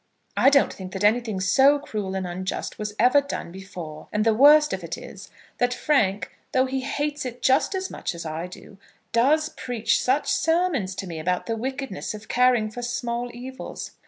I don't think that anything so cruel and unjust was ever done before; and the worst of it is that Frank, though he hates it just as much as I do, does preach such sermons to me about the wickedness of caring for small evils.